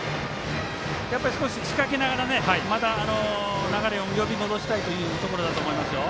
少し仕掛けながら流れを呼び戻したいところだと思います。